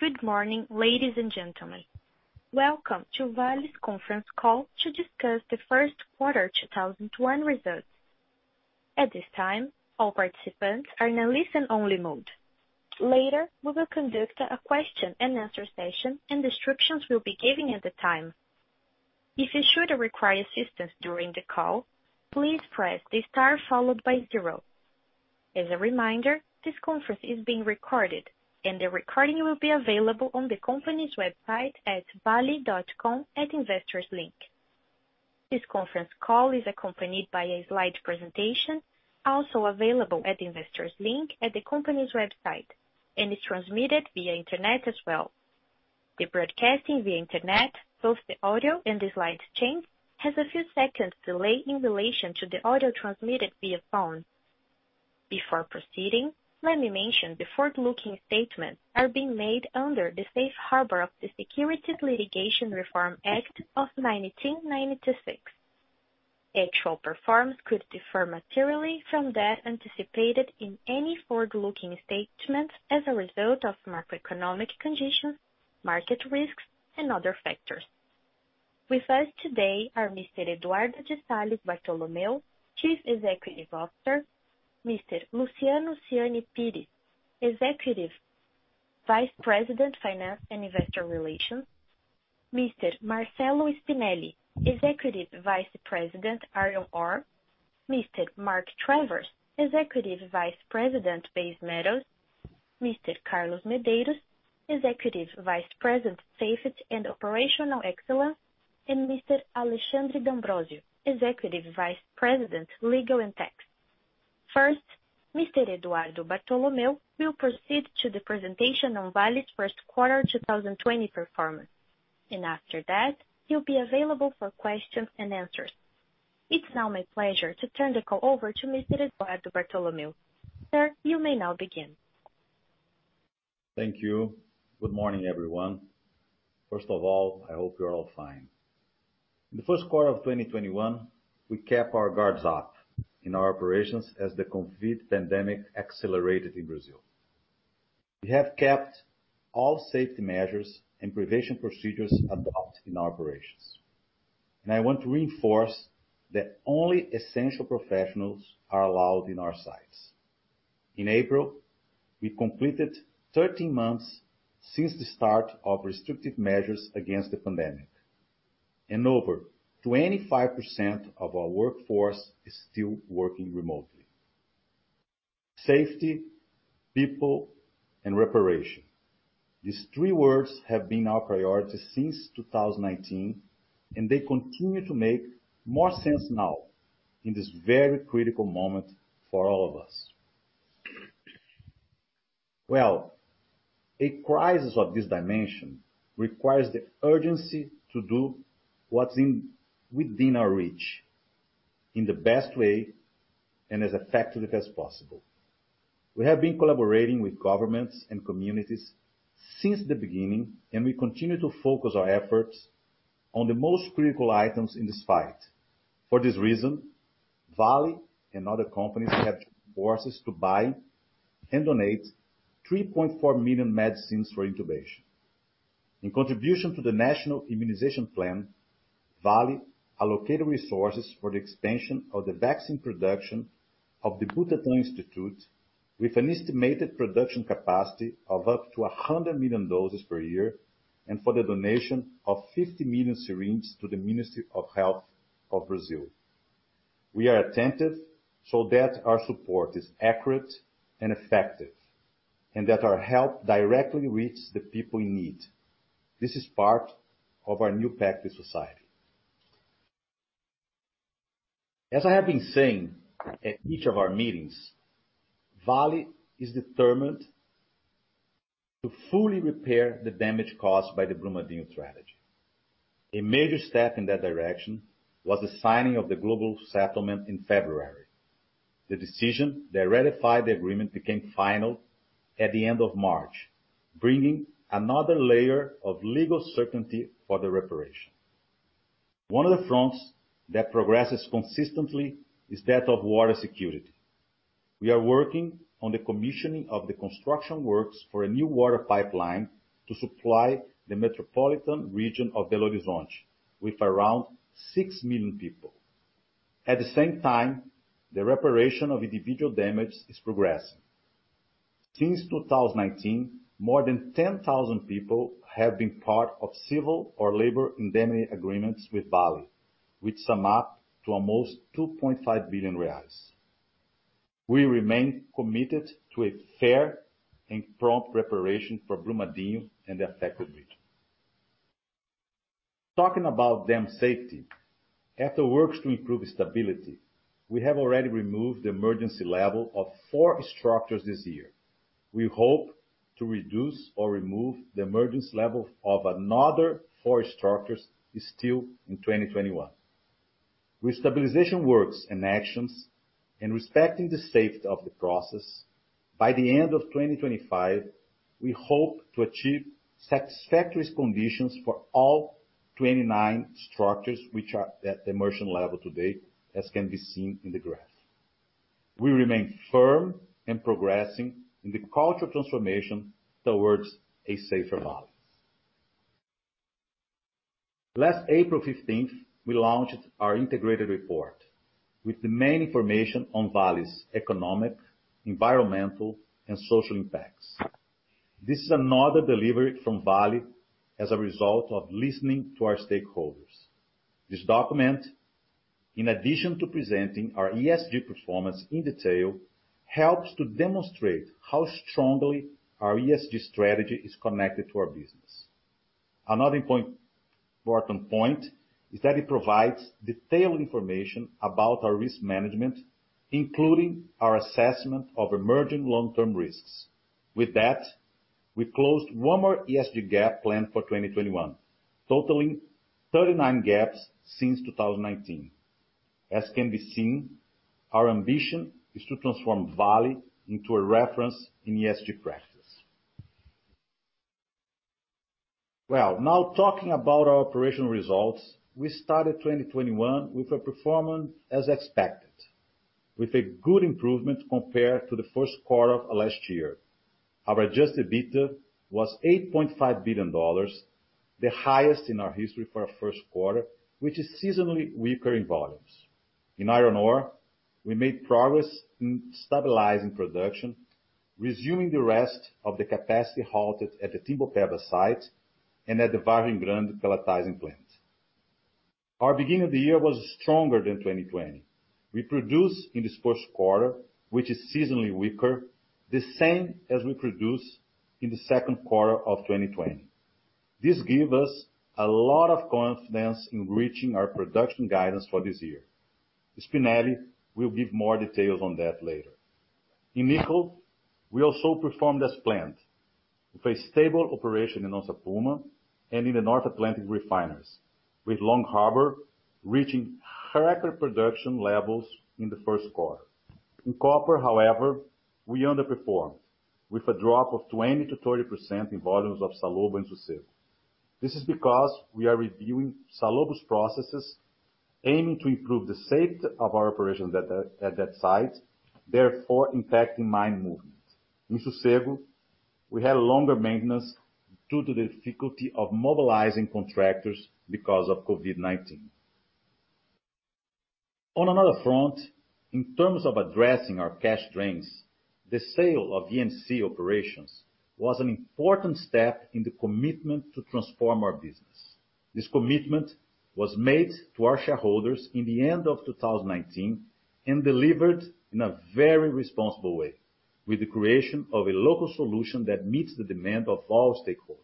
Good morning, ladies and gentlemen. Welcome to Vale's conference call to discuss the Q1 2021 results. At this time, all participants are in a listen only mode. Later, we will conduct a question and answer session, and instructions will be given at the time. If you should require assistance during the call, please press the star followed by zero. As a reminder, this conference is being recorded, and the recording will be available on the company's website at vale.com at Investors Link. This conference call is accompanied by a slide presentation, also available at Investors Link at the company's website, and is transmitted via internet as well. The broadcasting via internet, both the audio and the slides change, has a few seconds delay in relation to the audio transmitted via phone. Before proceeding, let me mention the forward-looking statements are being made under the Safe Harbor of the Private Securities Litigation Reform Act of 1995. Actual performance could differ materially from that anticipated in any forward-looking statements as a result of macroeconomic conditions, market risks, and other factors. With us today are Mr. Eduardo Bartolomeo, Chief Executive Officer, Mr. Luciano Siani Pires, Executive Vice President, Finance and Investor Relations, Mr. Marcello Spinelli, Executive Vice President, Iron Ore, Mr. Mark Travers, Executive Vice President, Base Metals, Mr. Carlos Henrique Senna Medeiros, Executive Vice President, Safety and Operational Excellence, and Mr. Alexandre D'Ambrosio, Executive Vice President, Legal and Tax. Mr. Eduardo Bartolomeo will proceed to the presentation on Vale's Q1 2020 performance, and after that, he'll be available for questions and answers. It's now my pleasure to turn the call over to Mr. Eduardo Bartolomeo. Sir, you may now begin. Thank you. Good morning, everyone. First of all, I hope you're all fine. In the Q1 of 2021, we kept our guards up in our operations as the COVID pandemic accelerated in Brazil. We have kept all safety measures and prevention procedures adopted in our operations, and I want to reinforce that only essential professionals are allowed in our sites. In April, we completed 13 months since the start of restrictive measures against the pandemic, and over 25% of our workforce is still working remotely. Safety, people, and reparation. These three words have been our priority since 2019, and they continue to make more sense now in this very critical moment for all of us. Well, a crisis of this dimension requires the urgency to do what's within our reach in the best way and as effectively as possible. We have been collaborating with governments and communities since the beginning, we continue to focus our efforts on the most critical items in this fight. For this reason, Vale and other companies have forces to buy and donate 3.4 million medicines for intubation. In contribution to the National Immunization Plan, Vale allocated resources for the expansion of the vaccine production of the Butantan Institute with an estimated production capacity of up to 100 million doses per year, and for the donation of 50 million syringes to the Ministry of Health of Brazil. We are attentive so that our support is accurate and effective, that our help directly reach the people in need. This is part of our new pact with society. As I have been saying at each of our meetings, Vale is determined to fully repair the damage caused by the Brumadinho tragedy. A major step in that direction was the signing of the global settlement in February. The decision that ratified the agreement became final at the end of March, bringing another layer of legal certainty for the reparation. One of the fronts that progresses consistently is that of water security. We are working on the commissioning of the construction works for a new water pipeline to supply the metropolitan region of Belo Horizonte with around 6 million people. At the same time, the reparation of individual damage is progressing. Since 2019, more than 10,000 people have been part of civil or labor indemnity agreements with Vale, which sum up to almost 2.5 billion reais. We remain committed to a fair and prompt reparation for Brumadinho and the affected region. Talking about dam safety, at the works to improve stability, we have already removed the emergency level of four structures this year. We hope to reduce or remove the emergency level of another four structures still in 2021. With stabilization works and actions, and respecting the safety of the process, by the end of 2025, we hope to achieve satisfactory conditions for all 29 structures, which are at the emergency level today, as can be seen in the graph. We remain firm and progressing in the culture transformation towards a safer life. Last April 15th, we launched our integrated report with the main information on Vale's economic, environmental, and social impacts. This is another delivery from Vale as a result of listening to our stakeholders. This document, in addition to presenting our ESG performance in detail, helps to demonstrate how strongly our ESG strategy is connected to our business. Another important point is that it provides detailed information about our risk management, including our assessment of emerging long-term risks. With that, we closed one more ESG gap planned for 2021, totaling 39 gaps since 2019. As can be seen, our ambition is to transform Vale into a reference in ESG practice. Well, now talking about our operational results, we started 2021 with a performance as expected, with a good improvement compared to the Q1 of last year. Our adjusted EBITDA was $8.5 billion, the highest in our history for our first quarter, which is seasonally weaker in volumes. In iron ore, we made progress in stabilizing production, resuming the rest of the capacity halted at the Timbopeba site and at the Vargem Grande pelletizing plant. Our beginning of the year was stronger than 2020. We produced in this Q1, which is seasonally weaker, the same as we produced in the Q2 of 2020. This gives us a lot of confidence in reaching our production guidance for this year. Spinelli will give more details on that later. In nickel, we also performed as planned with a stable operation in Onça Puma and in the North Atlantic Operations, with Long Harbour reaching record production levels in the Q1. In copper, however, we underperformed with a drop of 20%-30% in volumes of Salobo and Sossego. This is because we are reviewing Salobo's processes, aiming to improve the safety of our operations at that site, therefore impacting mine movement. In Sossego, we had a longer maintenance due to the difficulty of mobilizing contractors because of COVID-19. On another front, in terms of addressing our cash drains, the sale of VNC operations was an important step in the commitment to transform our business. This commitment was made to our shareholders in the end of 2019 and delivered in a very responsible way with the creation of a local solution that meets the demand of all stakeholders.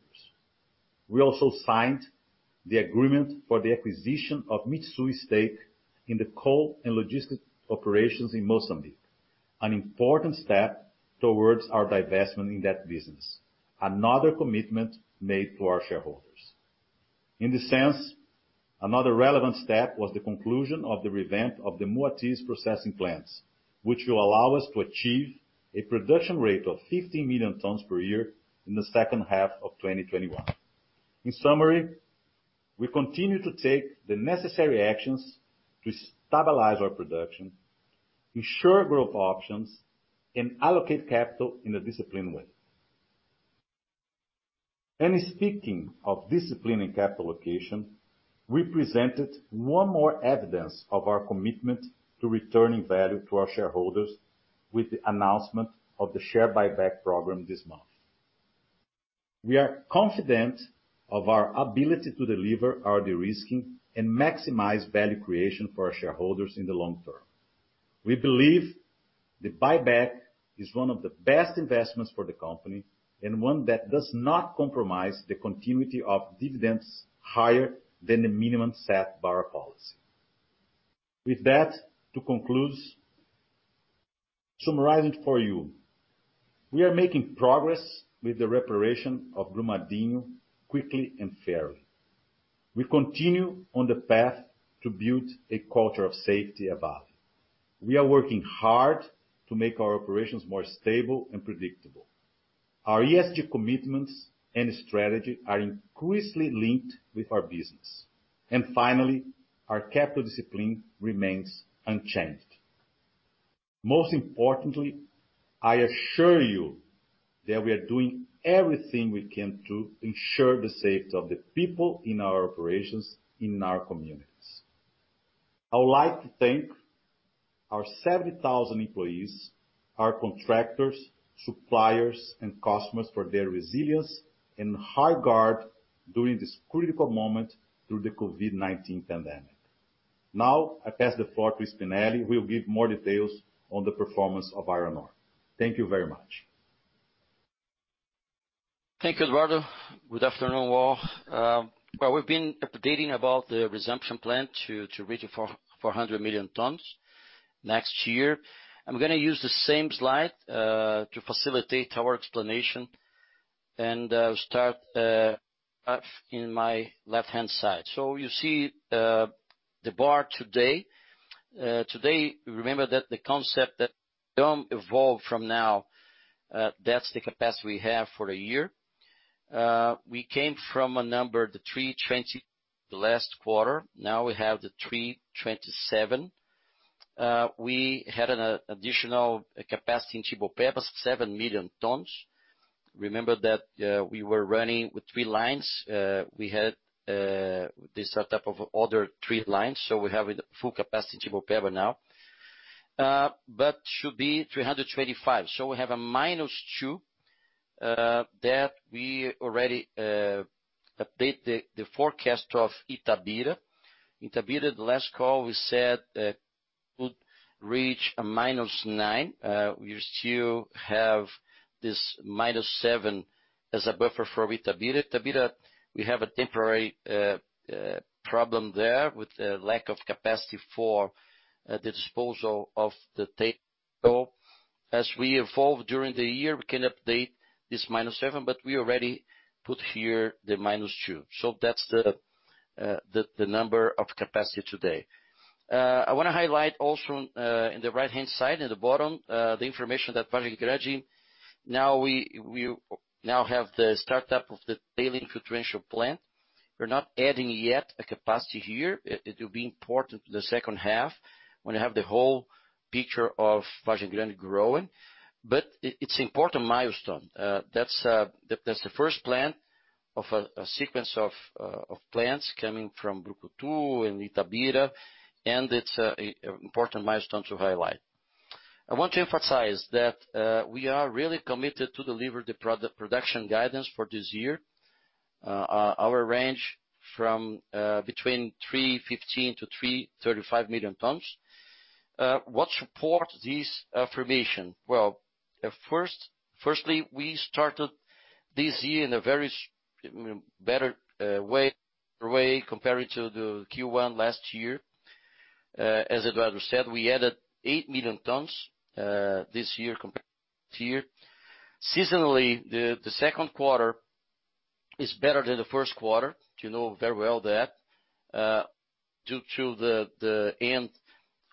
We also signed the agreement for the acquisition of Mitsui's stake in the coal and logistics operations in Mozambique, an important step towards our divestment in that business. Another commitment made to our shareholders. In this sense, another relevant step was the conclusion of the revamp of the Moatize processing plants, which will allow us to achieve a production rate of 15 million tons per year in the second half of 2021. In summary, we continue to take the necessary actions to stabilize our production, ensure growth options, and allocate capital in a disciplined way. Speaking of discipline and capital allocation, we presented one more evidence of our commitment to returning value to our shareholders with the announcement of the share buyback program this month. We are confident of our ability to deliver our de-risking and maximize value creation for our shareholders in the long term. We believe the buyback is one of the best investments for the company and one that does not compromise the continuity of dividends higher than the minimum set by our policy. With that, to conclude, summarizing for you, we are making progress with the reparation of Brumadinho quickly and fairly. We continue on the path to build a culture of safety at Vale. We are working hard to make our operations more stable and predictable. Our ESG commitments and strategy are increasingly linked with our business. Finally, our capital discipline remains unchanged. Most importantly, I assure you that we are doing everything we can to ensure the safety of the people in our operations in our communities. I would like to thank our 70,000 employees, our contractors, suppliers, and customers for their resilience and high guard during this critical moment through the COVID-19 pandemic. I pass the floor to Spinelli, who will give more details on the performance of iron ore. Thank you very much. Thank you, Eduardo. Good afternoon, all. Well, we've been updating about the resumption plan to reach 400 million tons next year. I'm gonna use the same slide to facilitate our explanation and start off in my left-hand side. You see the bar today. Today, remember that the concept that don't evolve from now, that's the capacity we have for a year. We came from a number, the 320 last quarter. Now we have the 327. We had an additional capacity in Timbopeba, seven million tons. Remember that we were running with three lines. We had the startup of other three lines, we have full capacity in Timbopeba now. Should be 325. We have a minus two, that we already update the forecast of Itabira. Itabira, the last call, we said that could reach a minus nine. We still have this minus seven as a buffer for Itabira. Itabira, we have a temporary problem there with a lack of capacity for the disposal of the. As we evolve during the year, we can update this minus seven, but we already put here the minus two. That's the number of capacity today. I want to highlight also, in the right-hand side, in the bottom the information that Vargem Grande now have the startup of the tailings filtration plant. We're not adding yet a capacity here. It will be important the second half when you have the whole picture of Vargem Grande growing. It's important milestone. That's the first plant of a sequence of plants coming from Brucutu and Itabira, and it's an important milestone to highlight. I want to emphasize that we are really committed to deliver the production guidance for this year. Our range from between 315 million tons - 335 million tons. What support this affirmation? Well, firstly, we started this year in a very better way compared to the Q1 last year. As Eduardo said, we added eight million tons this year compared to last year. Seasonally, the Q2 is better than the Q1. You know very well that. Due to the end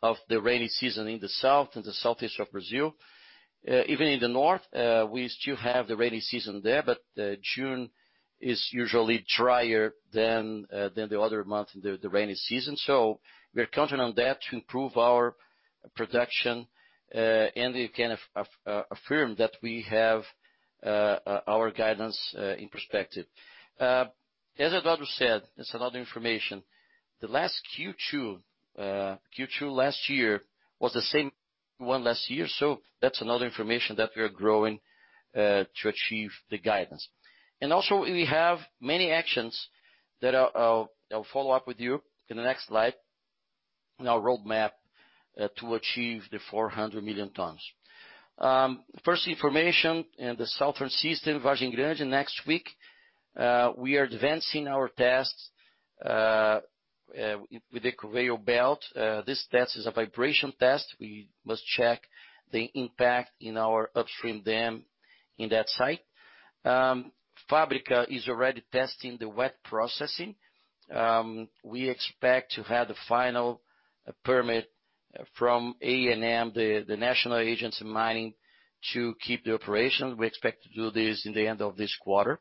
of the rainy season in the south and the southeast of Brazil. Even in the north, we still have the rainy season there, but June is usually drier than the other months in the rainy season. We're counting on that to improve our production, and we can affirm that we have our guidance in perspective. As Eduardo said, it's another information. The last Q2 last year was the same one last year, that's another information that we are growing to achieve the guidance. Also, we have many actions that I will follow up with you in the next slide, in our roadmap to achieve the 400 million tons. First, information in the Southern System, Vargem Grande, next week we are advancing our tests with the conveyor belt. This test is a vibration test. We must check the impact in our upstream dam in that site. Fábrica is already testing the wet processing. We expect to have the final permit from ANM, the National Mining Agency, to keep the operation. We expect to do this in the end of this quarter.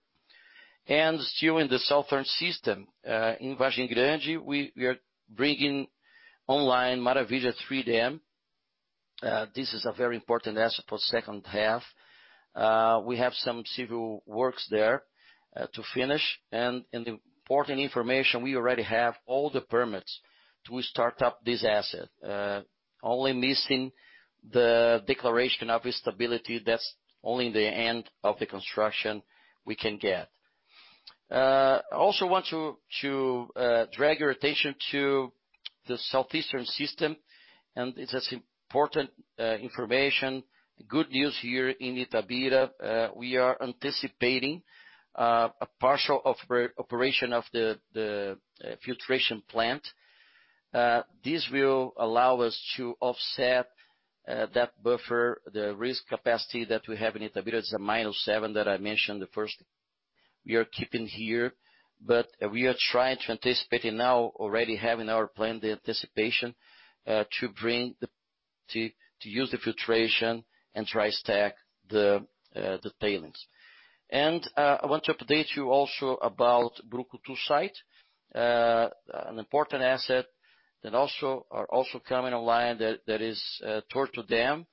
Still in the Southern System, in Vargem Grande, we are bringing online Maravilhas III dam. This is a very important asset for second half. We have some civil works there to finish. The important information, we already have all the permits to start up this asset. Only missing the declaration of stability, that's only in the end of the construction we can get. I also want to drag your attention to the southeastern system. It's as important information. Good news here in Itabira. We are anticipating a partial operation of the filtration plant. This will allow us to offset that buffer, the risk capacity that we have in Itabira is a minus seven that I mentioned the first. We are keeping here. We are trying to anticipate it now already having our plan, the anticipation to use the filtration and try stack the tailings. I want to update you also about Brucutu site. An important asset that are also coming online that is Torto Dam.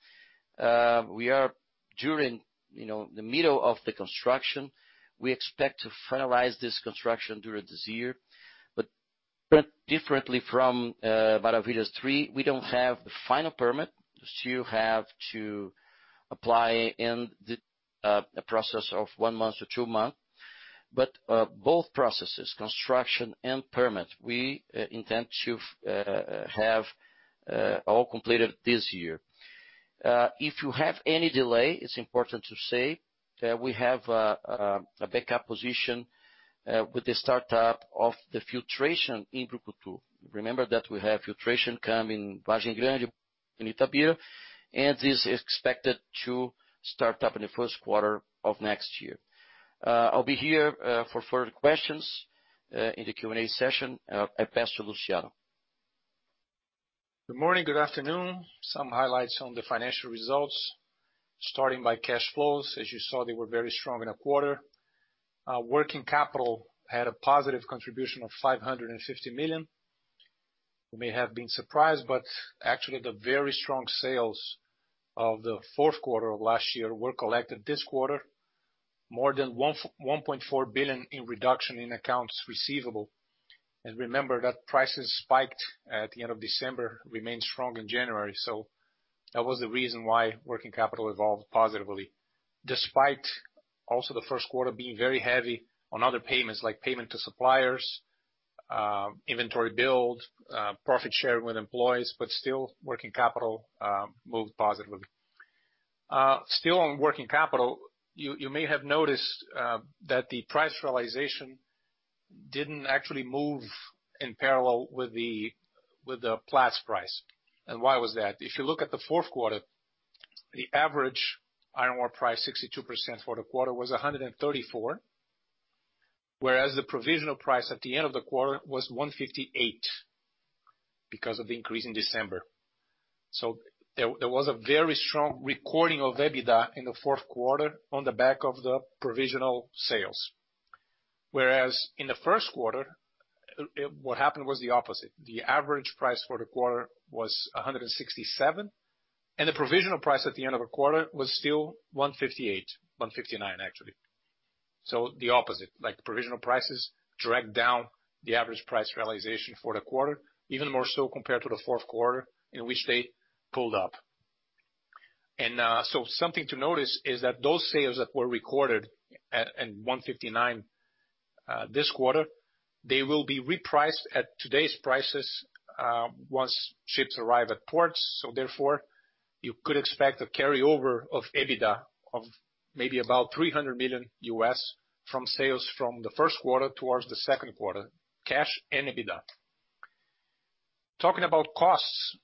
We are during the middle of the construction. We expect to finalize this construction during this year. Differently from Maravilhas III, we don't have the final permit. Still have to apply in the process of one month to two month. Both processes, construction and permit, we intend to have all completed this year. If you have any delay, it's important to say that we have a backup position with the startup of the filtration in Brucutu. Remember that we have filtration coming Vargem Grande and Itabira, and this is expected to start up in the first quarter of next year. I'll be here for further questions in the Q&A session. I pass to Luciano Good morning. Good afternoon. Some highlights on the financial results. Starting by cash flows. As you saw, they were very strong in a quarter. Working capital had a positive contribution of 550 million. You may have been surprised, actually the very strong sales of the Q4 of last year were collected this quarter. More than 1.4 billion in reduction in accounts receivable. Remember that prices spiked at the end of December, remained strong in January. That was the reason why working capital evolved positively. Despite also the Q1 being very heavy on other payments like payment to suppliers, inventory build, profit share with employees, still working capital moved positively. Still on working capital, you may have noticed that the price realization didn't actually move in parallel with the Platts price. Why was that? If you look at the Q4, the average iron ore price, 62% for the quarter was $134, whereas the provisional price at the end of the quarter was $158 because of the increase in December. There was a very strong recording of EBITDA in the Q4 on the back of the provisional sales. Whereas in the Q4, what happened was the opposite. The average price for the quarter was $167, and the provisional price at the end of the quarter was still $158, $159 actually. The opposite, provisional prices dragged down the average price realization for the quarter even more so compared to the fourth quarter in which they pulled up. Something to notice is that those sales that were recorded at $159 this quarter, they will be repriced at today's prices once ships arrive at ports. Therefore, you could expect a carryover of EBITDA of maybe about $300 million U.S. from sales from the Q1 towards the Q2, cash and EBITDA. Talking about costs.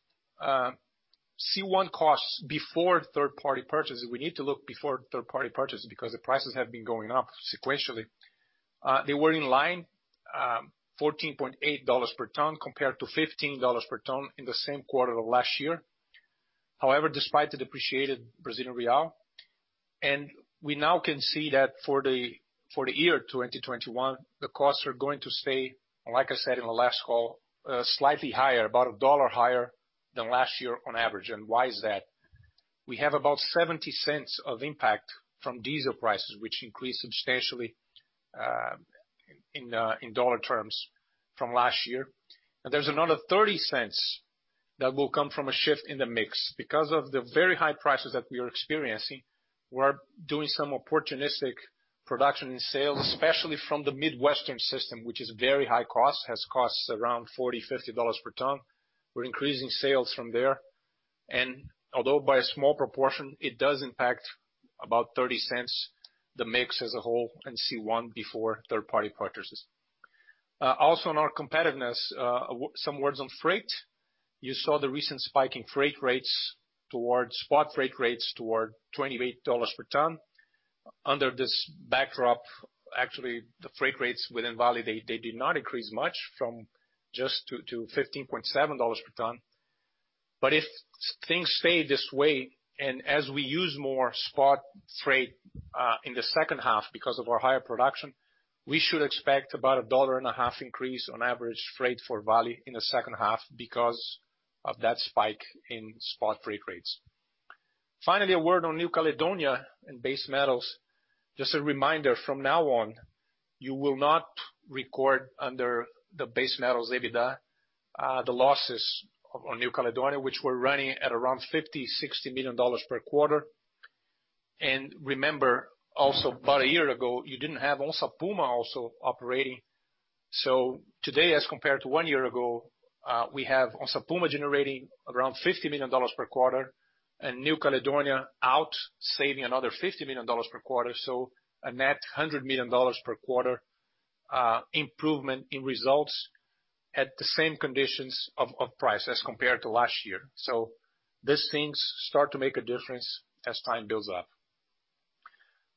C1 costs before third-party purchases. We need to look before third-party purchases because the prices have been going up sequentially. They were in line, $14.80 per ton compared - $15 per ton in the same quarter of last year. However, despite the depreciated Brazilian real, and we now can see that for the year 2021, the costs are going to stay, like I said in the last call, slightly higher, about $1 higher than last year on average. Why is that? We have about $0.70 of impact from diesel prices, which increased substantially in dollar terms from last year. There's another $0.30 that will come from a shift in the mix because of the very high prices that we are experiencing. We are doing some opportunistic production in sales, especially from the Midwestern system, which is very high cost, has costs around $40, $50 per ton. We're increasing sales from there. Although by a small proportion, it does impact about $0.30 the mix as a whole and C1 before third party purchases. Also on our competitiveness, some words on freight. You saw the recent spike in freight rates towards spot freight rates toward $28 per ton. Under this backdrop, actually, the freight rates within Vale, they did not increase much from just to $15.70 per ton. If things stay this way, and as we use more spot freight in the second half because of our higher production, we should expect about a dollar and a half increase on average freight for Vale in the second half because of that spike in spot freight rates. Finally, a word on New Caledonia and Base Metals. Just a reminder, from now on, you will not record under the Base Metals EBITDA the losses on New Caledonia, which were running at around $50 million, $60 million per quarter. Remember also about one year ago, you didn't have Onça Puma also operating. Today as compared to one year ago, we have Onça Puma generating around $50 million per quarter and New Caledonia out saving another $50 million per quarter. A net $100 million per quarter improvement in results at the same conditions of price as compared to last year. These things start to make a difference as time builds up.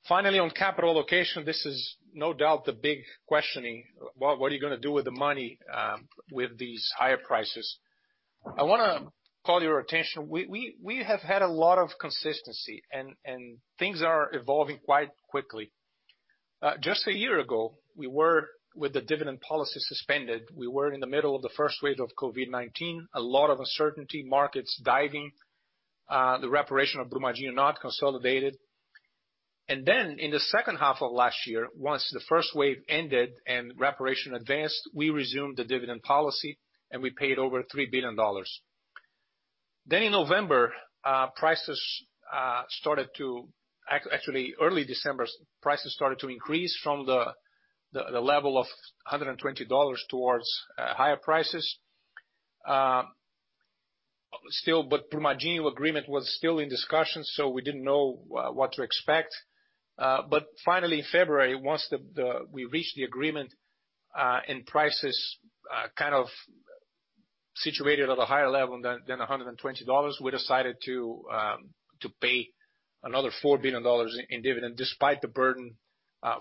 Finally, on capital allocation, this is no doubt the big questioning. What are you going to do with the money with these higher prices? I want to call your attention. We have had a lot of consistency and things are evolving quite quickly. Just a year ago, we were with the dividend policy suspended. We were in the middle of the first wave of COVID-19. A lot of uncertainty, markets diving. The reparation of Brumadinho not consolidated. In the second half of last year, once the first wave ended and reparation advanced, we resumed the dividend policy, and we paid over $3 billion. In November, actually early December, prices started to increase from the level of $120 towards higher prices. Brumadinho agreement was still in discussion, so we didn't know what to expect. Finally in February, once we reached the agreement and prices kind of situated at a higher level than $120, we decided to pay another $4 billion in dividend despite the burden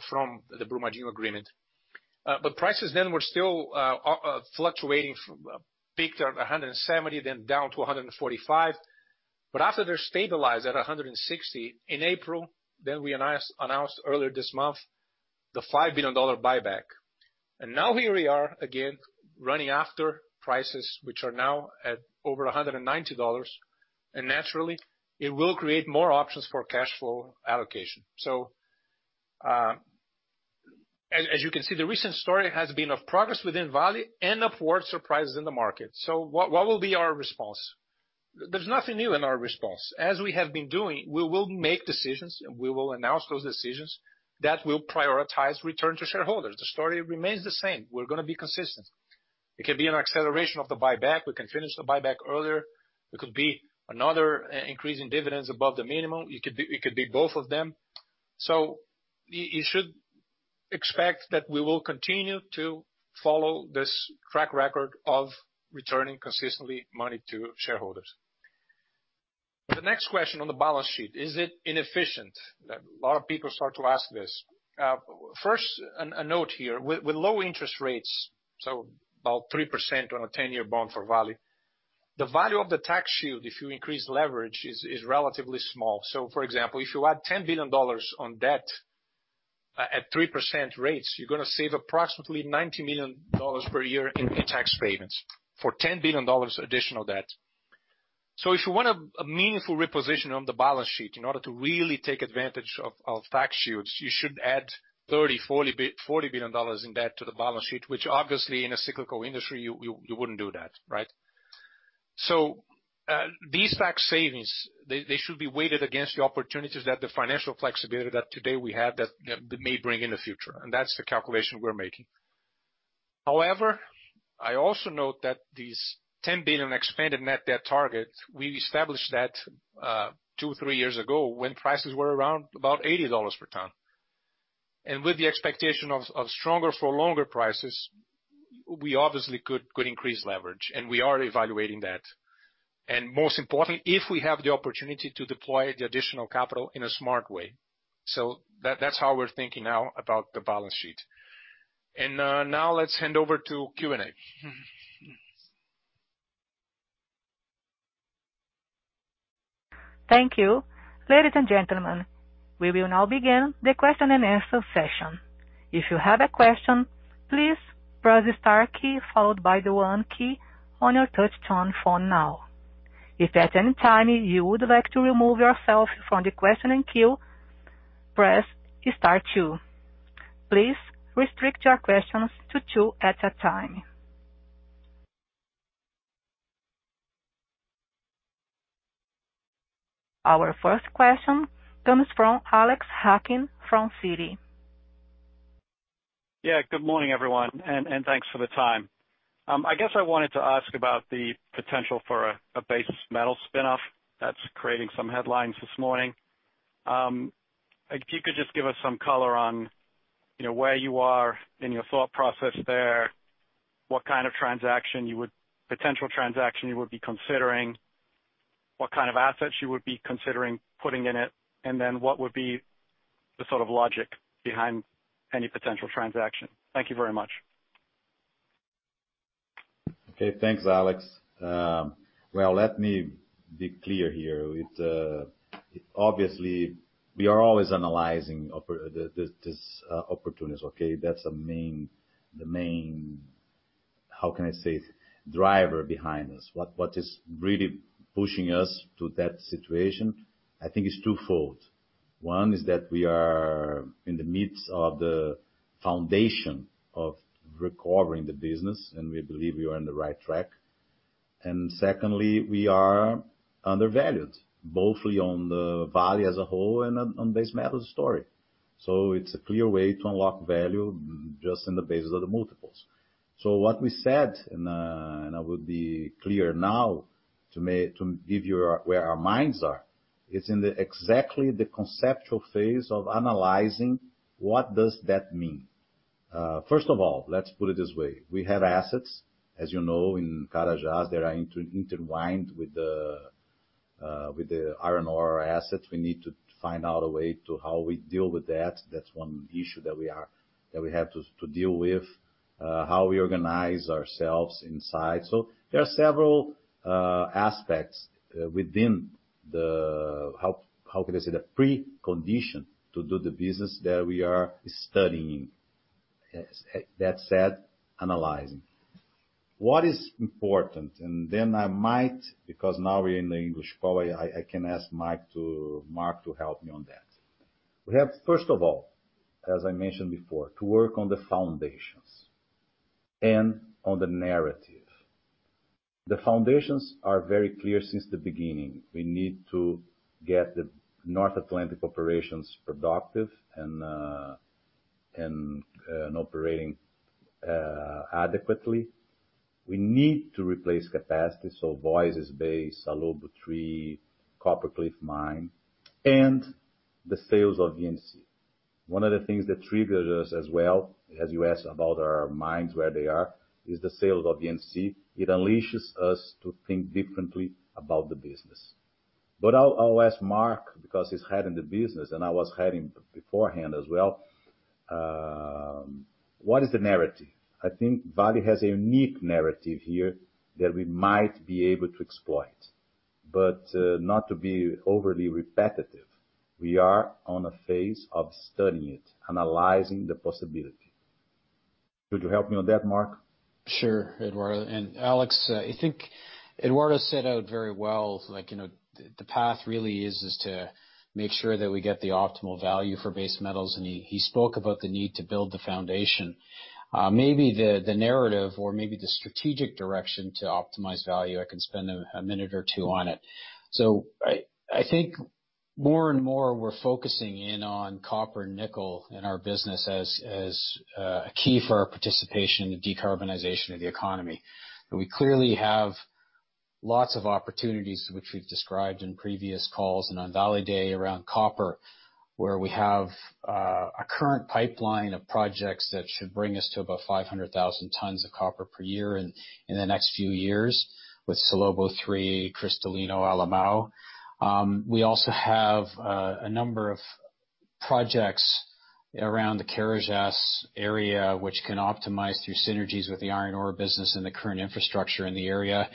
from the Brumadinho agreement. Prices then were still fluctuating from a peak of $170, then down to $145. After they're stabilized at $160 in April, we announced earlier this month the $5 billion buyback. Now here we are again, running after prices, which are now at over $190. Naturally, it will create more options for cash flow allocation. As you can see, the recent story has been of progress within Vale and upward surprises in the market. What will be our response? There's nothing new in our response. As we have been doing, we will make decisions and we will announce those decisions that will prioritize return to shareholders. The story remains the same. We're going to be consistent. It could be an acceleration of the buyback. We can finish the buyback earlier. It could be another increase in dividends above the minimum. It could be both of them. You should expect that we will continue to follow this track record of returning consistently money to shareholders. The next question on the balance sheet, is it inefficient? A lot of people start to ask this. First, a note here, with low interest rates, about three percent on a 10-year bond for Vale, the value of the tax shield, if you increase leverage, is relatively small. For example, if you add $10 billion on debt at three percent rates, you're gonna save approximately $90 million per year in tax payments for $10 billion additional debt. If you want a meaningful reposition on the balance sheet in order to really take advantage of tax shields, you should add $30 billion, $40 billion in debt to the balance sheet, which obviously in a cyclical industry, you wouldn't do that. Right? These tax savings, they should be weighted against the opportunities that the financial flexibility that today we have that may bring in the future. That's the calculation we're making. However, I also note that these $10 billion expanded net debt target, we established that two, three years ago when prices were around about $80 per ton. With the expectation of stronger for longer prices, we obviously could increase leverage, and we are evaluating that. Most importantly, if we have the opportunity to deploy the additional capital in a smart way. That's how we're thinking now about the balance sheet. Now let's hand over to Q&A. Thank you. Ladies and gentlemen, we will now begin the question and answer session. Please restrict your questions to two at a time. Our first question comes from Alex Hacking from Citi. Yeah. Good morning, everyone, and thanks for the time. I guess I wanted to ask about the potential for a base metal spinoff that's creating some headlines this morning. If you could just give us some color on where you are in your thought process there, what kind of potential transaction you would be considering, what kind of assets you would be considering putting in it, and then what would be the sort of logic behind any potential transaction. Thank you very much. Okay. Thanks, Alex. Well, let me be clear here. Obviously, we are always analyzing this opportunity. Okay? That's the main, how can I say, driver behind us. What is really pushing us to that situation, I think is twofold. One is that we are in the midst of the foundation of recovering the business, and we believe we are on the right track. Secondly, we are undervalued, both on the Vale as a whole and on base metal story. It's a clear way to unlock value just in the basis of the multiples. What we said, and I will be clear now to give you where our minds are, it's in the exactly conceptual phase of analyzing what does that mean. First of all, let's put it this way. We have assets, as you know, in Carajás that are intertwined with the iron ore assets. We need to find out a way to how we deal with that. That's one issue that we have to deal with, how we organize ourselves inside. There are several aspects within the precondition to do the business that we are studying. That said, analyzing. What is important, and then I might, because now we're in English, probably I can ask Mark to help me on that. We have, first of all, as I mentioned before, to work on the foundations and on the narrative. The foundations are very clear since the beginning. We need to get the North Atlantic operations productive and operating adequately. We need to replace capacity, so Voisey's Bay, Salobo III, Copper Cliff Mine, and the sales of VNC. One of the things that triggered us as well, as you asked about our mines, where they are, is the sales of VNC. It unleashes us to think differently about the business. I'll ask Mark, because he's heading the business and I was heading beforehand as well. What is the narrative? I think Vale has a unique narrative here that we might be able to exploit. Not to be overly repetitive, we are on a phase of studying it, analyzing the possibility. Could you help me on that, Mark? Sure. Eduardo and Alex, I think Eduardo set out very well. The path really is to make sure that we get the optimal value for Base Metals, and he spoke about the need to build the foundation. Maybe the narrative or maybe the strategic direction to optimize value, I can spend a minute or two on it. I think more and more, we're focusing in on copper nickel in our business as a key for our participation in the decarbonization of the economy. We clearly have lots of opportunities, which we've described in previous calls and on Vale Day around copper, where we have a current pipeline of projects that should bring us to about 500,000 tons of copper per year in the next few years with Salobo III, Cristalino, Alemão. We also have a number of projects around the Carajás area, which can optimize through synergies with the iron ore business and the current infrastructure in the area.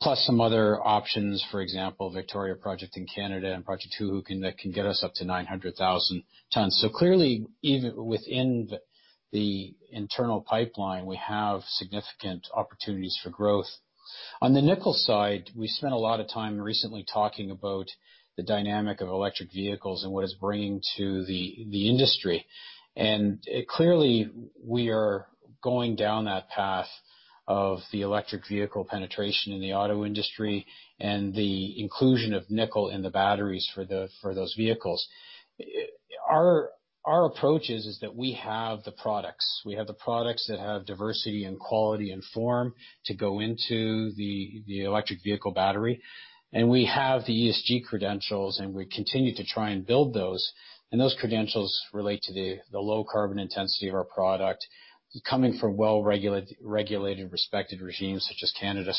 Plus some other options, for example, Victoria project in Canada and Project Two that can get us up to 900,000 tons. Clearly, even within the internal pipeline, we have significant opportunities for growth. On the nickel side, we spent a lot of time recently talking about the dynamic of electric vehicles and what it's bringing to the industry. Clearly, we are going down that path of the electric vehicle penetration in the auto industry and the inclusion of nickel in the batteries for those vehicles. Our approach is that we have the products. We have the products that have diversity and quality and form to go into the electric vehicle battery. We have the ESG credentials, and we continue to try and build those. Those credentials relate to the low carbon intensity of our product coming from well-regulated, respected regimes such as Canada.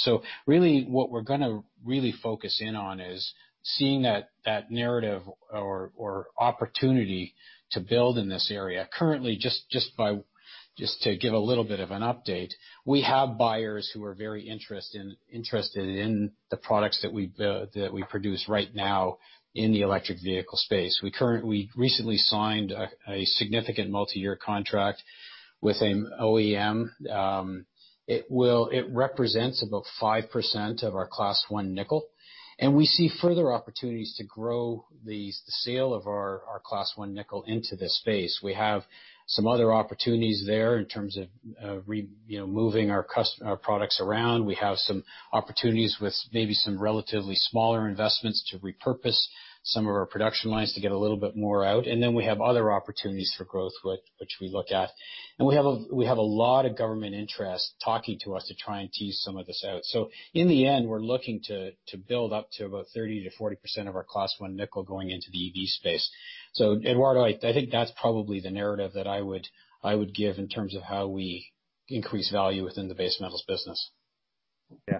Really, what we're going to really focus in on is seeing that narrative or opportunity to build in this area. Currently, just to give a little bit of an update, we have buyers who are very interested in the products that we produce right now in the electric vehicle space. We recently signed a significant multi-year contract with an OEM. It represents about five percent of our Class one nickel, and we see further opportunities to grow the sale of our Class 1 nickel into this space. We have some other opportunities there in terms of moving our products around. We have some opportunities with maybe some relatively smaller investments to repurpose some of our production lines to get a little bit more out. We have other opportunities for growth, which we look at. We have a lot of government interest talking to us to try and tease some of this out. In the end, we're looking to build up to about 30%-40% of our Class one nickel going into the EV space. Eduardo, I think that's probably the narrative that I would give in terms of how we increase value within the base metals business. Yeah.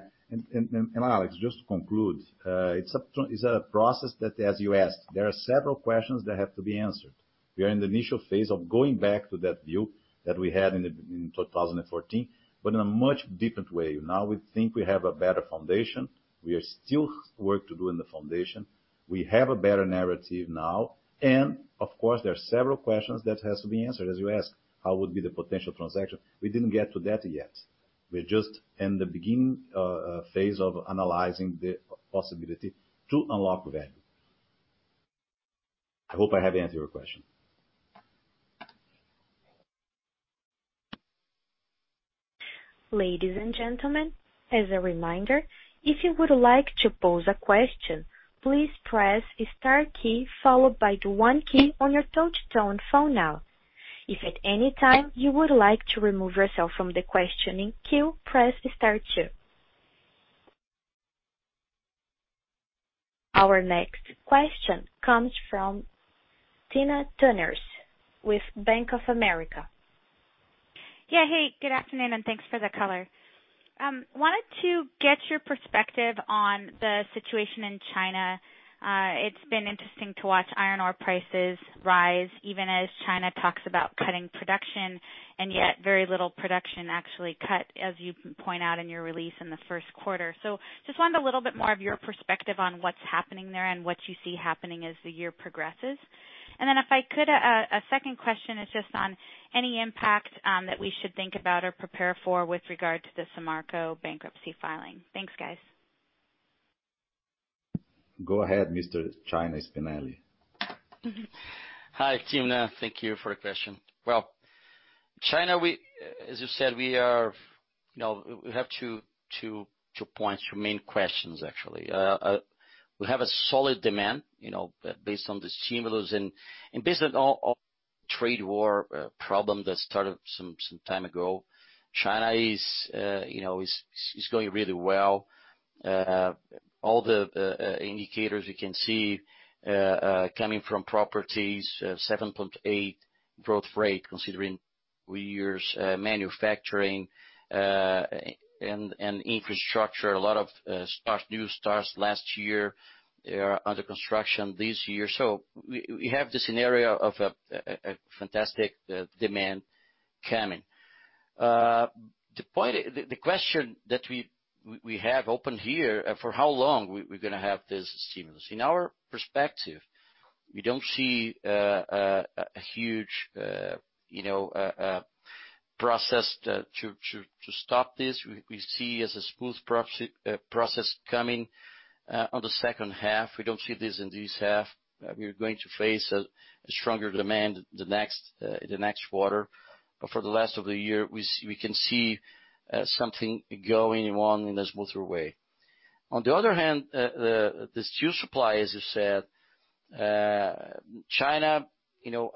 Alex, just to conclude, it's a process that, as you asked, there are several questions that have to be answered. We are in the initial phase of going back to that view that we had in 2014, but in a much different way. Now we think we have a better foundation. We are still work to do in the foundation. We have a better narrative now. Of course, there are several questions that has to be answered. As you asked, how would be the potential transaction? We didn't get to that yet. We're just in the beginning phase of analyzing the possibility to unlock value. I hope I have answered your question. Our next question comes from Timna Tanners with Bank of America. Hey, good afternoon, and thanks for the color. Wanted to get your perspective on the situation in China. It's been interesting to watch iron ore prices rise even as China talks about cutting production, and yet very little production actually cut, as you point out in your release in the first quarter. Just wanted a little bit more of your perspective on what's happening there and what you see happening as the year progresses. Then if I could, a second question is just on any impact that we should think about or prepare for with regard to the Samarco bankruptcy filing. Thanks, guys. Go ahead, Mr. Marcello Spinelli. Hi, Timna. Thank you for the question. Well, China, as you said, we have two points, two main questions, actually. We have a solid demand based on the stimulus and based on all trade war problem that started some time ago. China is going really well. All the indicators we can see coming from properties, 7.8% growth rate considering we use manufacturing and infrastructure. A lot of new starts last year are under construction this year. We have the scenario of a fantastic demand coming. The question that we have open here, for how long we're going to have this stimulus? In our perspective, we don't see a huge process to stop this. We see as a smooth process coming on the second half. We don't see this in this half. We are going to face a stronger demand the next quarter. For the last of the year, we can see something going on in a smoother way. On the other hand, the steel supply, as you said, China,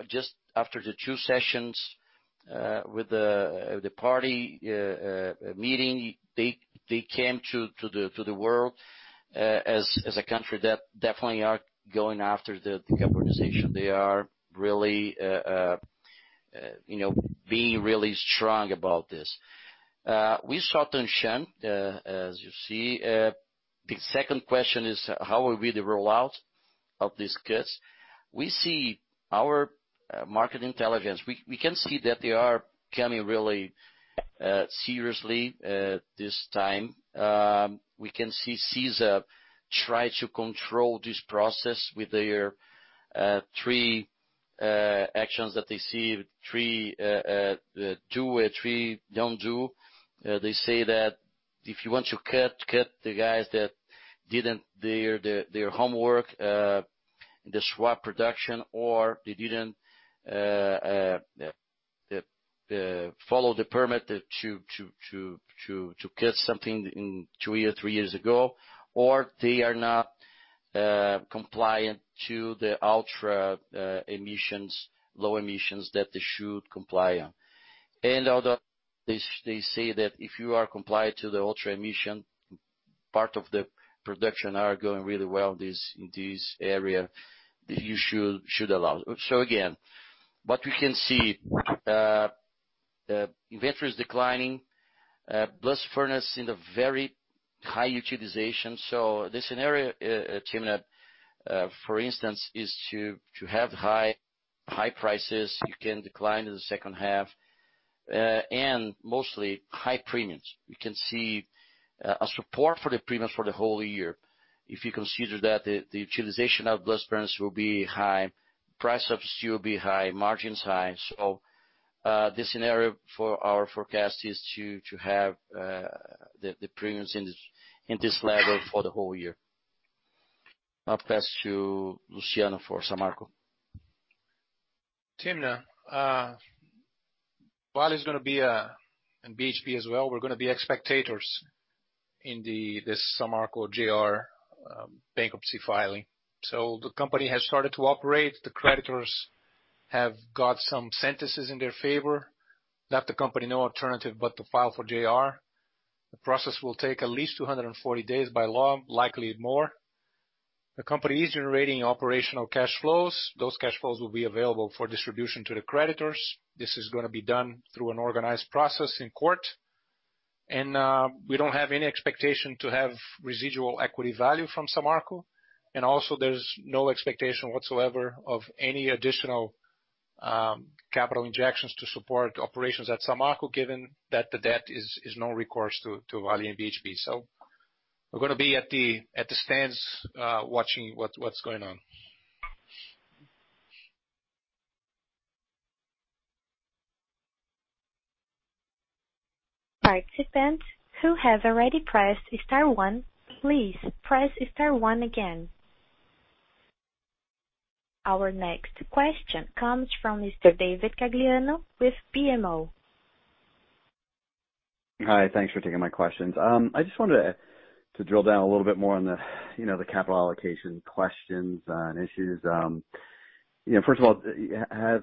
just after the two sessions with the party meeting, they came to the world as a country that definitely are going after the decarbonization. They are being really strong about this. We saw Tangshan, as you see. The second question is, how will be the rollout of these cuts? Our market intelligence, we can see that they are coming really seriously this time. We can see CISA try to control this process with their three actions that they see, two or three don't do. They say that if you want to cut the guys that didn't do their homework, the swap production, or they didn't follow the permit to cut something two or three years ago. They are not compliant to the ultra low emissions that they should comply on. Although they say that if you are compliant to the ultra emission, part of the production are going really well in this area, you should allow. Again, what we can see, inventory is declining. Blast furnace in a very high utilization. The scenario, Timna, for instance, is to have high prices. You can decline in the second half. Mostly high premiums. We can see a support for the premiums for the whole year. If you consider that the utilization of blast furnace will be high, price of steel will be high, margins high. The scenario for our forecast is to have the premiums in this level for the whole year. Now pass to Luciano for Samarco. Timna, Vale is going to be, and BHP as well, we're going to be spectators in this Samarco JR bankruptcy filing. The company has started to operate. The creditors have got some sentences in their favor, left the company no alternative but to file for JR. The process will take at least 240 days by law, likely more. The company is generating operational cash flows. Those cash flows will be available for distribution to the creditors. This is going to be done through an organized process in court. We don't have any expectation to have residual equity value from Samarco. Also, there's no expectation whatsoever of any additional capital injections to support operations at Samarco, given that the debt is no recourse to Vale and BHP. We're going to be at the stands watching what's going on. Participants who have already pressed star one, please press star one again. Our next question comes from Mr. David Gagliano with BMO. Hi, thanks for taking my questions. I just wanted to drill down a little bit more on the capital allocation questions and issues. First of all, has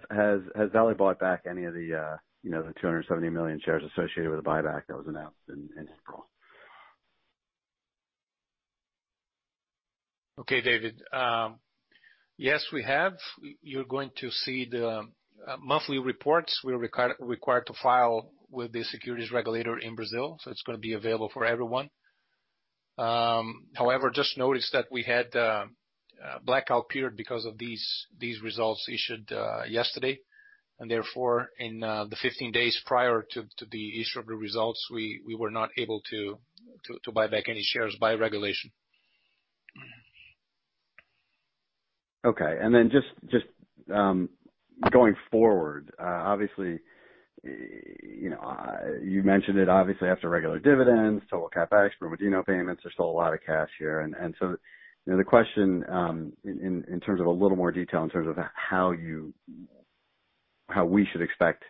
Vale bought back any of the 270 million shares associated with the buyback that was announced in April? Okay, David. Yes, we have. You're going to see the monthly reports we're required to file with the securities regulator in Brazil. It's going to be available for everyone. Just notice that we had a blackout period because of these results issued yesterday. Therefore, in the 15 days prior to the issue of the results, we were not able to buy back any shares by regulation. Okay. Just going forward, obviously, you mentioned it, obviously after regular dividends, total CapEx, Bermudino payments, there's still a lot of cash here. The question, in terms of a little more detail in terms of how we should expect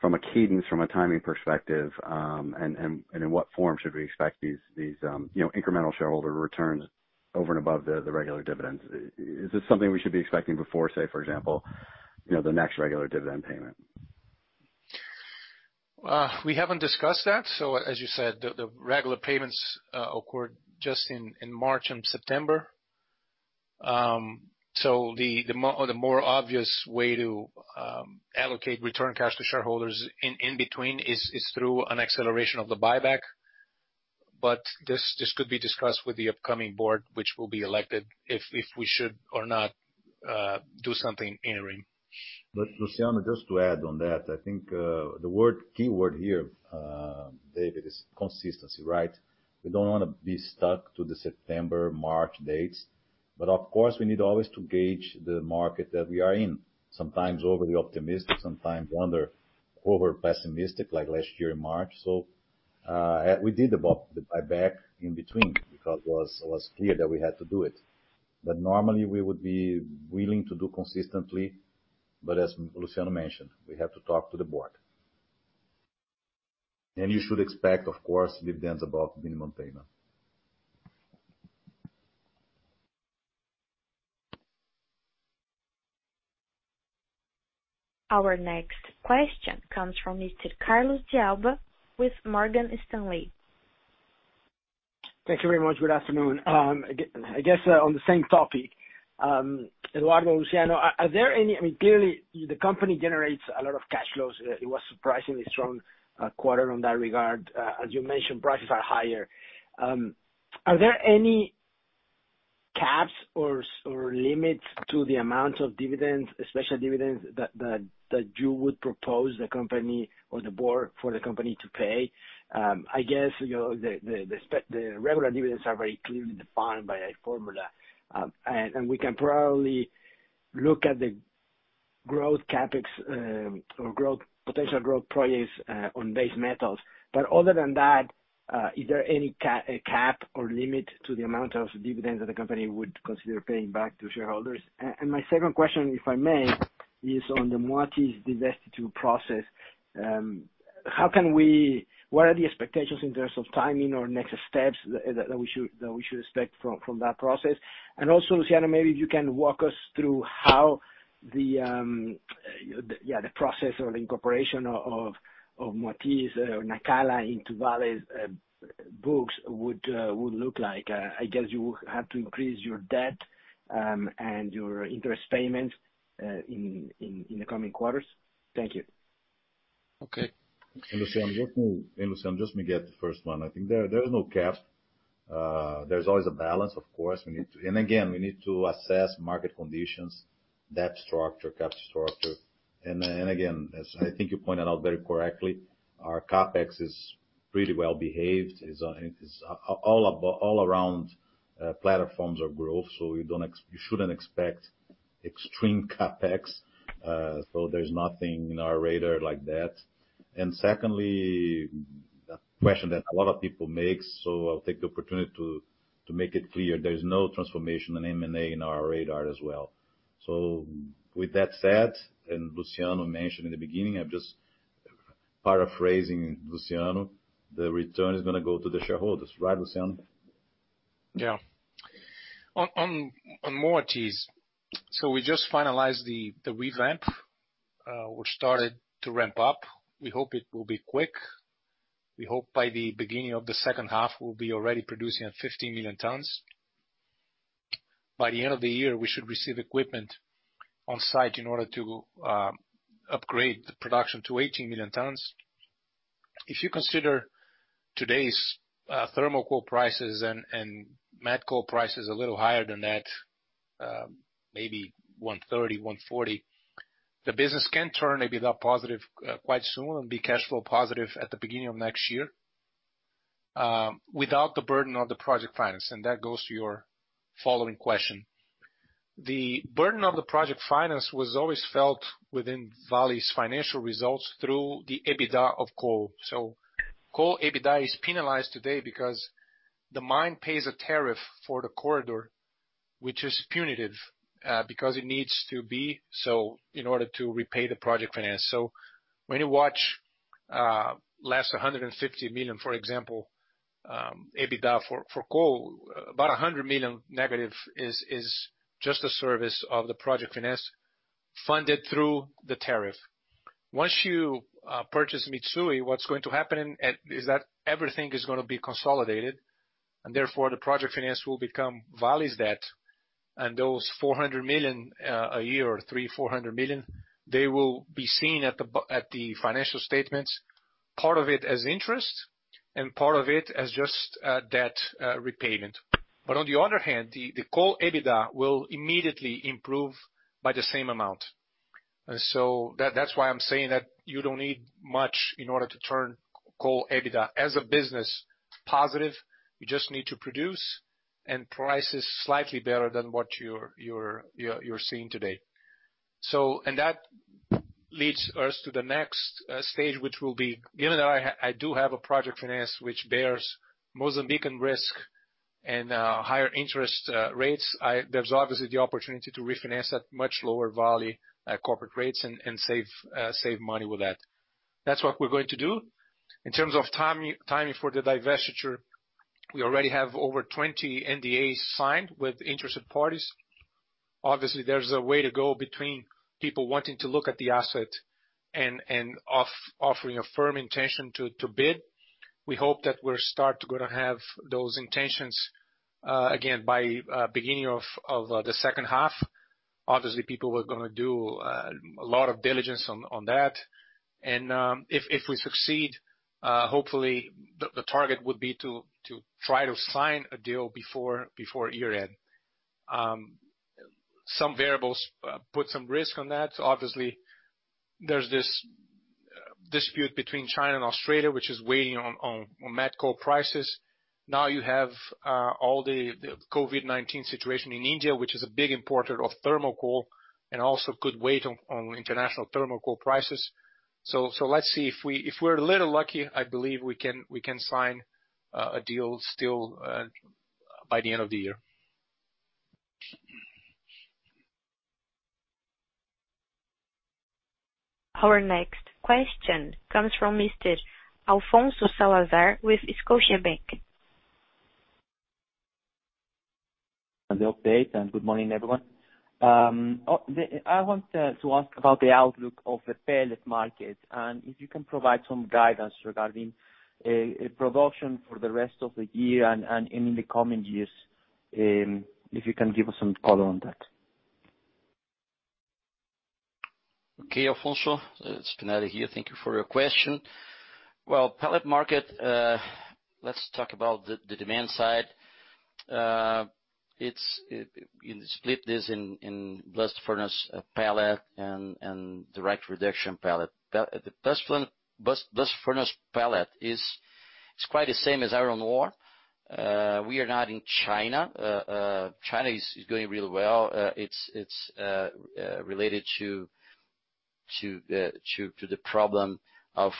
from a cadence, from a timing perspective, and in what form should we expect these incremental shareholder returns over and above the regular dividends. Is this something we should be expecting before, say, for example the next regular dividend payment? We haven't discussed that. As you said, the regular payments occur just in March and September. The more obvious way to allocate return cash to shareholders in between is through an acceleration of the buyback. This could be discussed with the upcoming board, which will be elected if we should or not do something interim. Luciano, just to add on that, I think the key word here, David, is consistency, right. We don't wanna be stuck to the September, March dates. Of course, we need always to gauge the market that we are in. Sometimes overly optimistic, sometimes over-pessimistic, like last year in March. We did the buyback in between because it was clear that we had to do it. Normally we would be willing to do consistently, but as Luciano mentioned, we have to talk to the board. You should expect, of course, dividends above minimum payment. Our next question comes from Mr. Carlos De Alba with Morgan Stanley. Thank you very much. Good afternoon. I guess, on the same topic, Eduardo, Luciano, clearly the company generates a lot of cash flows. It was surprisingly strong quarter on that regard. As you mentioned, prices are higher. Are there any caps or limits to the amount of dividends, special dividends, that you would propose the company or the board for the company to pay? I guess, the regular dividends are very clearly defined by a formula. We can probably look at the growth CapEx, or potential growth projects on base metals. Other than that, is there any cap or limit to the amount of dividends that the company would consider paying back to shareholders? My second question, if I may, is on the Moatize divestiture process. What are the expectations in terms of timing or next steps that we should expect from that process? Also, Luciano, maybe you can walk us through how the process or the incorporation of Moatize, Nacala into Vale's books would look like? I guess you have to increase your debt, and your interest payments in the coming quarters. Thank you. Okay. Luciano, just to get the first one, I think there is no cap. There's always a balance, of course. Again, we need to assess market conditions, debt structure, CapEx structure. Again, as I think you pointed out very correctly, our CapEx is pretty well behaved. It's all around platforms of growth. You shouldn't expect extreme CapEx. There's nothing in our radar like that. Secondly, a question that a lot of people make, so I'll take the opportunity to make it clear, there's no transformation in M&A in our radar as well. With that said, and Luciano mentioned in the beginning, I'm just paraphrasing Luciano, the return is gonna go to the shareholders. Right, Luciano? On Moatize, we just finalized the revamp, which started to ramp up. We hope it will be quick. We hope by the beginning of the second half, we'll be already producing at 15 million tons. By the end of the year, we should receive equipment on site in order to upgrade the production to 18 million tons. If you consider today's thermal coal prices and met coal prices a little higher than that, maybe 130, 140, the business can turn maybe that positive quite soon and be cash flow positive at the beginning of next year, without the burden of the project finance. That goes to your following question. The burden of the project finance was always felt within Vale's financial results through the EBITDA of coal. Coal EBITDA is penalized today because the mine pays a tariff for the corridor, which is punitive, because it needs to be so in order to repay the project finance. When you watch last 150 million, for example, EBITDA for coal, about 100 million negative is just a service of the project finance funded through the tariff. Once you purchase Mitsui, what's going to happen is that everything is going to be consolidated, and therefore, the project finance will become Vale's debt. Those 400 million a year, 300 million, 400 million, they will be seen at the financial statements, part of it as interest and part of it as just debt repayment. On the other hand, the coal EBITDA will immediately improve by the same amount. That's why I'm saying that you don't need much in order to turn coal EBITDA as a business positive. You just need to produce and prices slightly better than what you're seeing today. That leads us to the next stage, which will be, given that I do have a project finance which bears Mozambican risk and higher interest rates, there's obviously the opportunity to refinance at much lower Vale corporate rates and save money with that. That's what we're going to do. In terms of timing for the divestiture, we already have over 20 NDAs signed with interested parties. There's a way to go between people wanting to look at the asset and offering a firm intention to bid. We hope that we'll start to have those intentions again by beginning of the second half. People were going to do a lot of diligence on that. If we succeed, hopefully the target would be to try to sign a deal before year-end. Some variables put some risk on that. There's this dispute between China and Australia, which is weighing on met coal prices. You have all the COVID-19 situation in India, which is a big importer of thermal coal and also could weigh on international thermal coal prices. Let's see. If we're a little lucky, I believe we can sign a deal still by the end of the year. Our next question comes from Mr. Alfonso Salazar with Scotiabank. On the update, good morning, everyone. I want to ask about the outlook of the pellet market, if you can provide some guidance regarding production for the rest of the year and in the coming years. If you can give us some color on that. Okay, Alfonso. It is Benatti here. Thank you for your question. Well, pellet market, let's talk about the demand side. You can split this in blast furnace pellet and direct reduction pellet. The blast furnace pellet is quite the same as iron ore. We are not in China. China is doing really well. It is related to the problem of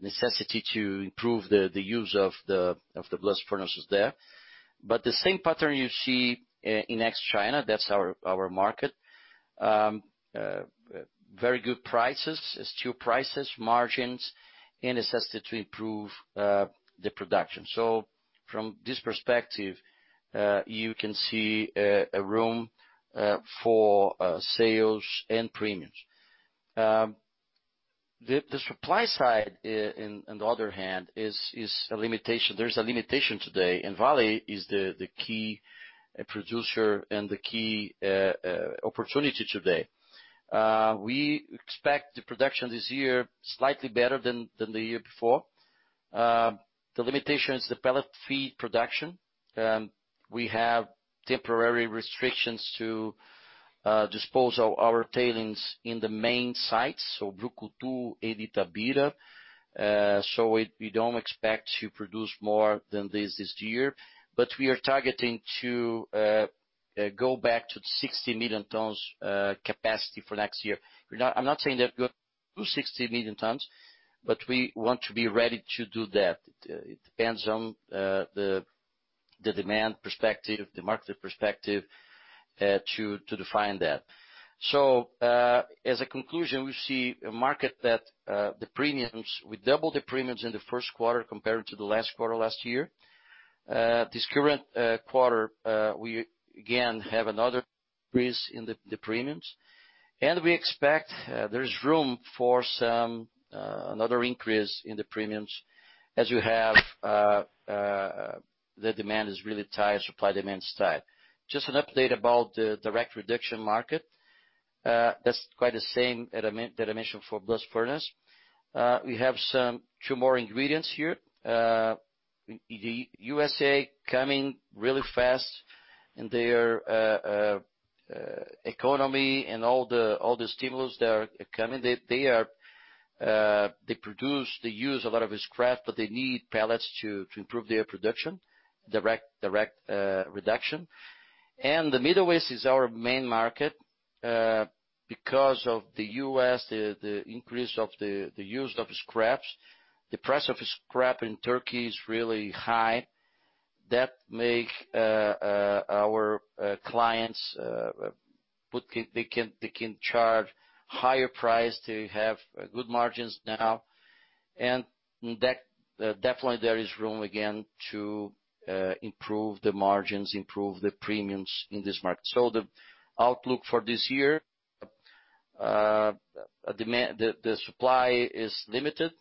necessity to improve the use of the blast furnaces there. The same pattern you see in ex-China, that is our market. Very good prices, steel prices, margins, and necessity to improve the production. From this perspective, you can see a room for sales and premiums. The supply side, in the other hand, there is a limitation today, and Vale is the key producer and the key opportunity today. We expect the production this year slightly better than the year before. The limitation is the pellet feed production. We have temporary restrictions to dispose of our tailings in the main sites, Brucutu and Itabira. We don't expect to produce more than this year. We are targeting to go back to the 60 million tons capacity for next year. I'm not saying that we are going to do 60 million tons, but we want to be ready to do that. It depends on the demand perspective, the market perspective to define that. As a conclusion, we see a market that we double the premiums in the Q1 compared to the last quarter last year. This current quarter, we again have another increase in the premiums, and we expect there is room for another increase in the premiums as you have the demand is really tight, supply demand is tight. Just an update about the direct reduction market. That's quite the same determination for blast furnace. We have two more ingredients here. The USA coming really fast in their economy and all the stimulus that are coming. They produce, they use a lot of scrap, but they need pellets to improve their production, direct reduction. The Middle East is our main market because of the U.S., the increase of the use of scraps. The price of scrap in Turkey is really high. That make our clients, they can charge higher price. They have good margins now. Definitely there is room again to improve the margins, improve the premiums in this market. The outlook for this year, the supply is limited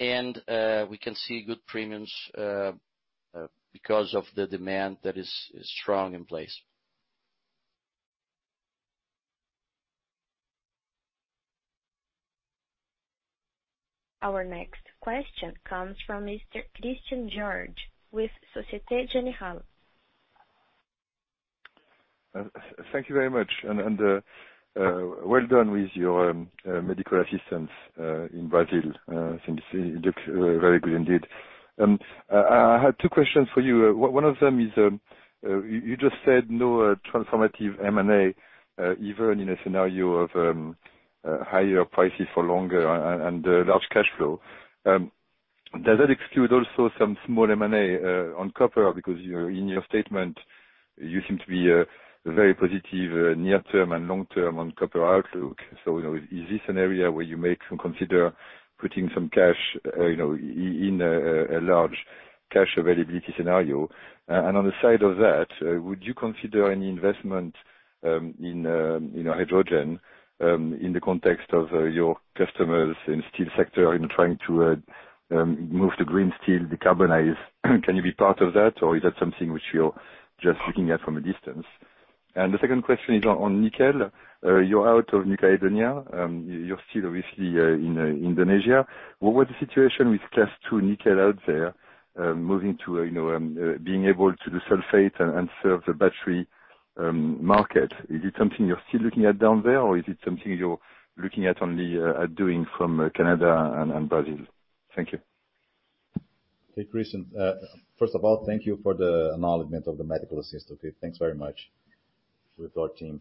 and we can see good premiums because of the demand that is strong in place. Our next question comes from Mr. Christian George with Société Générale. Thank you very much. Well done with your medical assistance in Brazil. Seems it looks very good indeed. I have two questions for you. One of them is, you just said no transformative M&A, even in a scenario of higher prices for longer and large cash flow. Does that exclude also some small M&A on copper? In your statement, you seem to be very positive near term and long term on copper outlook. Is this an area where you may consider putting some cash in a large cash availability scenario? On the side of that, would you consider any investment in hydrogen in the context of your customers in steel sector in trying to move to green steel, decarbonize? Can you be part of that or is that something which you're just looking at from a distance? The second question is on nickel. You're out of New Caledonia. You're still obviously in Indonesia. What was the situation with Class two nickel out there, being able to do sulfate and serve the battery market? Is it something you're still looking at down there, or is it something you're looking at only doing from Canada and Brazil? Thank you. Hey, Christian. First of all, thank you for the acknowledgment of the medical assist. Okay. Thanks very much to your thought team.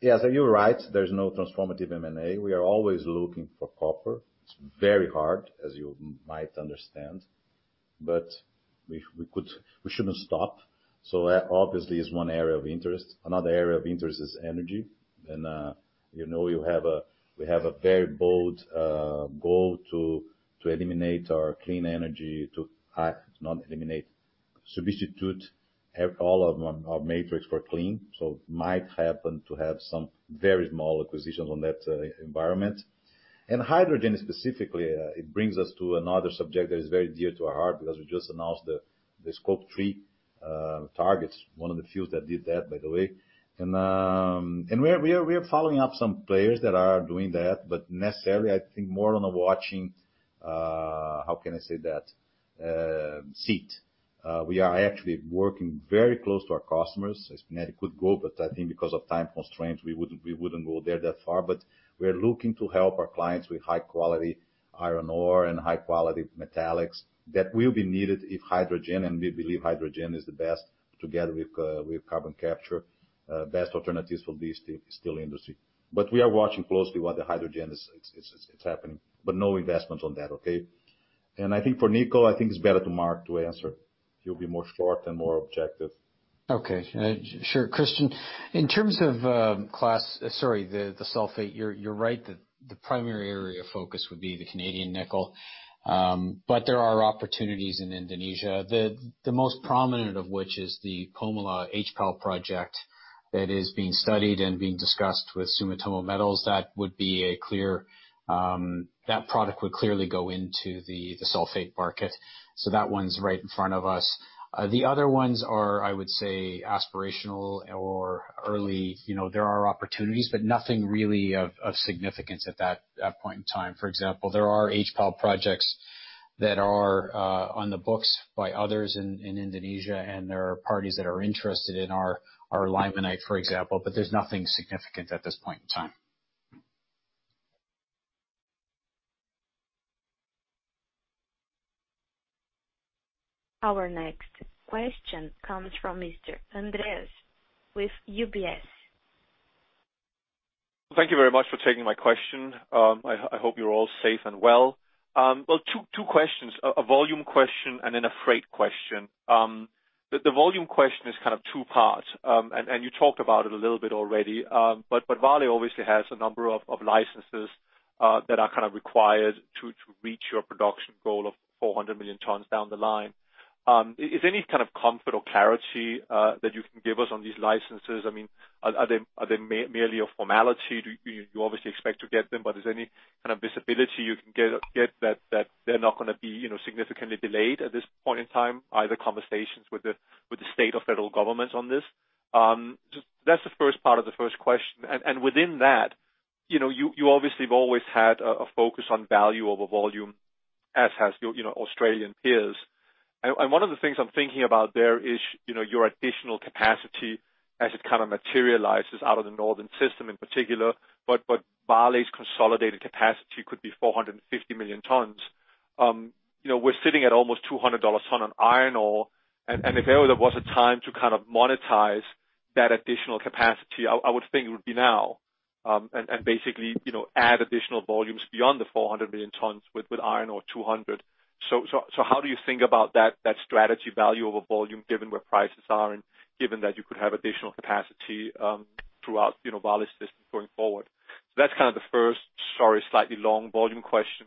Yes, you're right. There's no transformative M&A. We are always looking for copper. It's very hard, as you might understand, but we shouldn't stop. That obviously is one area of interest. Another area of interest is energy. We have a very bold goal to eliminate our clean energy, to not eliminate, substitute all of our matrix for clean. Might happen to have some very small acquisitions on that environment. Hydrogen specifically, it brings us to another subject that is very dear to our heart because we just announced the Scope three targets, one of the few that did that, by the way. We are following up some players that are doing that, but necessarily, I think more on a watching, how can I say that, seat. We are actually working very close to our customers as good goal. I think because of time constraints, we wouldn't go there that far. We're looking to help our clients with high quality iron ore and high quality metallics that will be needed if hydrogen, and we believe hydrogen is the best together with carbon capture best alternatives for the steel industry. We are watching closely what the hydrogen it's happening, but no investments on that. Okay. I think for nickel, I think it's better to Mark Travers to answer. He'll be more short and more objective. Okay. Sure, Christian. In terms of class, sorry, the sulfate. You're right that the primary area of focus would be the Canadian nickel, but there are opportunities in Indonesia. The most prominent of which is the Pomalaa HPAL project that is being studied and being discussed with Sumitomo Metal Mining. That product would clearly go into the sulfate market. That one's right in front of us. The other ones are, I would say, aspirational or early. There are opportunities, but nothing really of significance at that point in time. For example, there are HPAL projects that are on the books by others in Indonesia, and there are parties that are interested in our limonite, for example, but there's nothing significant at this point in time. Our next question comes from Mr. Andreas with UBS. Thank you very much for taking my question. I hope you're all safe and well. Well, two questions, a volume question and a freight question. The volume question is kind of two parts, you talked about it a little bit already. Vale obviously has a number of licenses that are kind of required to reach your production goal of 400 million tons down the line. Is there any kind of comfort or clarity that you can give us on these licenses? I mean, are they merely a formality? Do you obviously expect to get them, is there any kind of visibility you can get that they're not going to be significantly delayed at this point in time, either conversations with the state or federal governments on this? That's the first part of the first question. Within that, you obviously have always had a focus on value over volume, as has your Australian peers. One of the things I'm thinking about there is your additional capacity as it kind of materializes out of the northern system in particular. Vale's consolidated capacity could be 450 million tons. We're sitting at almost BRL 200 ton on iron ore. If ever there was a time to kind of monetize that additional capacity, I would think it would be now. Basically add additional volumes beyond the 400 million tons with iron ore 200. How do you think about that strategy value over volume, given where prices are and given that you could have additional capacity throughout Vale's system going forward? That's kind of the first, sorry, slightly long volume question.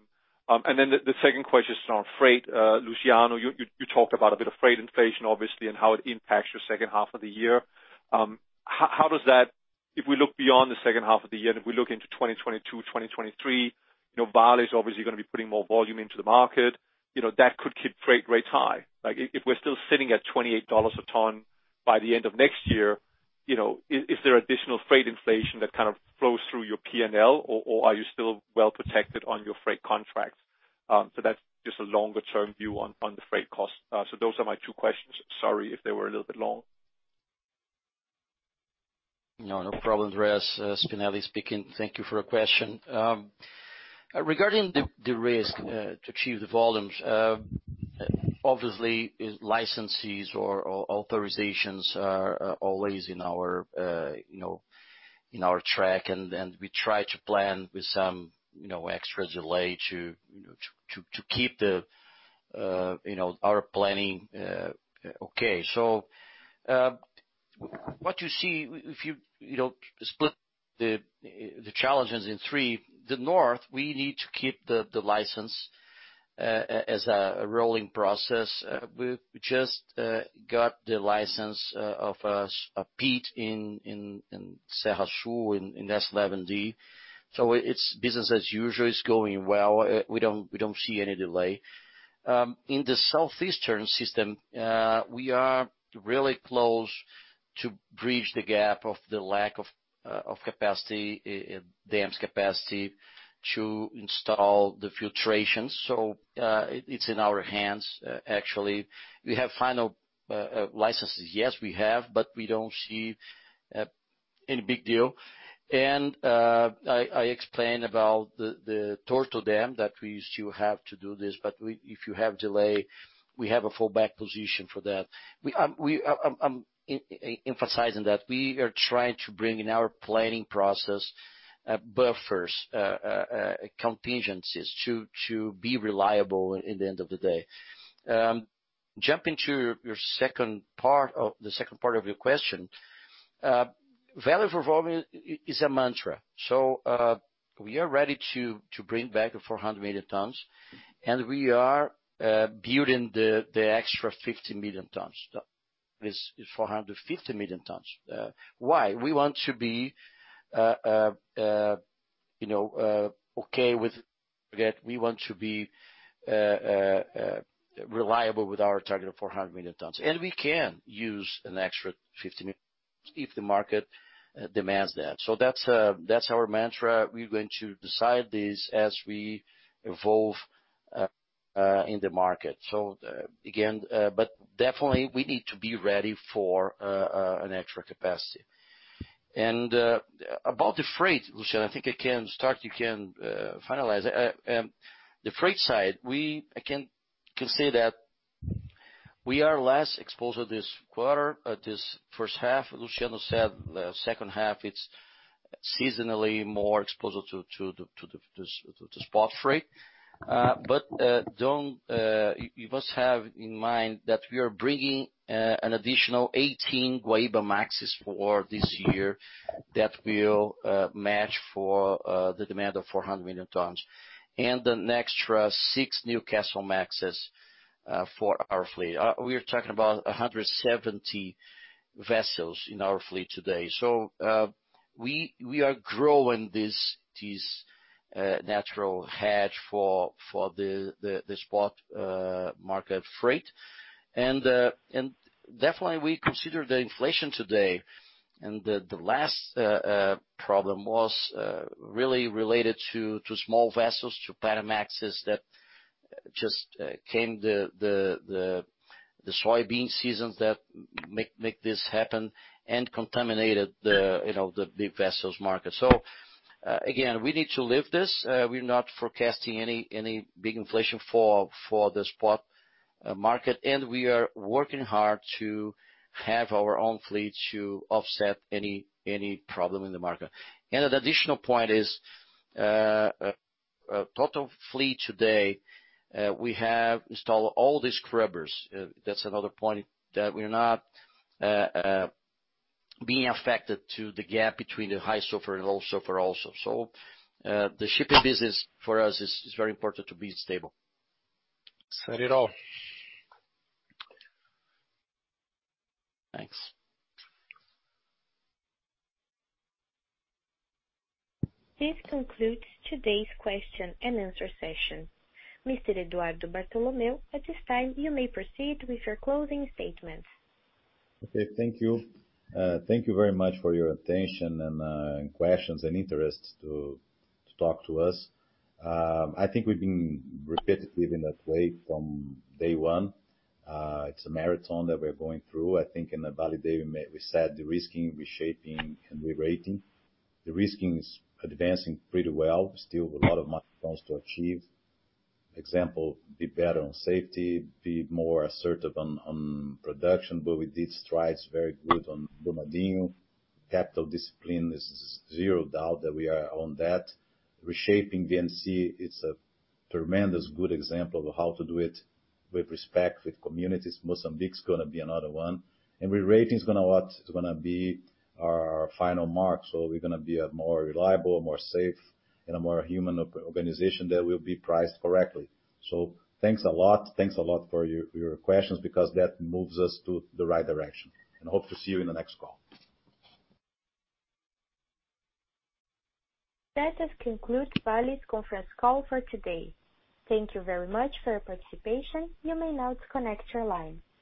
Then the second question is on freight. Luciano, you talked about a bit of freight inflation, obviously, and how it impacts your second half of the year. If we look beyond the second half of the year, and if we look into 2022, 2023, Vale is obviously going to be putting more volume into the market. That could keep freight rates high. If we're still sitting at $28 a ton by the end of next year, is there additional freight inflation that kind of flows through your P&L, or are you still well protected on your freight contracts? That's just a longer-term view on the freight cost. Those are my two questions. Sorry if they were a little bit long. No, no problem Andreas. Spinelli speaking. Thank you for your question. Regarding the risk to achieve the volumes. Obviously, licenses or authorizations are always in our track, and we try to plan with some extra delay to keep our planning okay. What you see, if you split the challenges in three, the North, we need to keep the license as a rolling process. We just got the license of pit in Serra Sul in S11D. It's business as usual. It's going well. We don't see any delay. In the Southeastern system, we are really close to bridge the gap of the lack of dam's capacity to install the filtration. It's in our hands, actually. We have final licenses. Yes, we have, but we don't see any big deal. I explained about the Torto dam that we still have to do this, but if you have delay, we have a fallback position for that. I'm emphasizing that we are trying to bring in our planning process buffers, contingencies to be reliable in the end of the day. Jumping to the second part of your question. Vale performance is a mantra. We are ready to bring back the 400 million tons, and we are building the extra 50 million tons. This is 450 million tons. Why? We want to be okay with that. We want to be reliable with our target of 400 million tons. We can use an extra 50 million if the market demands that. That's our mantra. We're going to decide this as we evolve in the market. Again, definitely we need to be ready for an extra capacity. About the freight, Luciano, I think I can start, you can finalize. The freight side, we can say that we are less exposed this quarter, this first half. Luciano said the second half, it's seasonally more exposed to spot freight. You must have in mind that we are bringing an additional 18 Guaibamax for this year that will match for the demand of 400 million tons, and an extra six Newcastlemax for our fleet. We're talking about 170 vessels in our fleet today. We are growing this natural hedge for the spot market freight. Definitely we consider the inflation today, and the last problem was really related to small vessels, to Panamax that just came the soybean seasons that make this happen and contaminated the vessels market. Again, we need to live this. We're not forecasting any big inflation for the spot market. We are working hard to have our own fleet to offset any problem in the market. An additional point is, total fleet today, we have installed all these scrubbers. That's another point that we are not being affected to the gap between the high sulfur and low sulfur also. The shipping business for us is very important to be stable. Said it all. Thanks. This concludes today's question and answer session. Mr. Eduardo Bartolomeo, at this time, you may proceed with your closing statements. Okay. Thank you. Thank you very much for your attention and questions and interest to talk to us. I think we've been repetitive in that way from day one. It's a marathon that we're going through. I think in the Vale Day we said de-risking, reshaping, and rerating. De-risking is advancing pretty well. Still a lot of milestones to achieve. Example, be better on safety, be more assertive on production, but we did strides very good on Brumadinho. Capital discipline is zero doubt that we are on that. Reshaping the NC, it's a tremendous good example of how to do it with respect, with communities. Mozambique's gonna be another one. Rerating is gonna be our final mark. We're gonna be a more reliable, more safe, and a more human organization that will be priced correctly. Thanks a lot. Thanks a lot for your questions because that moves us to the right direction. Hope to see you in the next call. That does conclude Vale's conference call for today. Thank you very much for your participation. You may now disconnect your line.